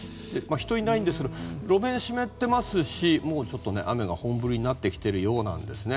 人がいないんですが路面湿っていますし雨が本降りになってきているようですね。